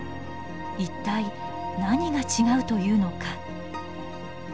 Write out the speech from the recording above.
一体何が違うというのか。